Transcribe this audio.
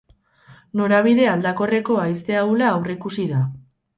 Norabide aldakorreko haize ahula aurreikusi da.